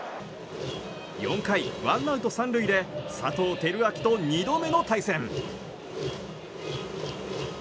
４回、ワンアウト３塁で佐藤輝明と２度目の対戦。